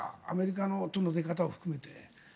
アメリカの出方を含めて。